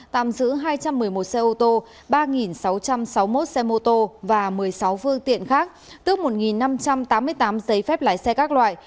tạm giữ hai trăm một mươi một xe ô tô ba sáu trăm sáu mươi một xe mô tô và một mươi sáu phương tiện khác tức một năm trăm tám mươi tám giấy phép lái xe các loại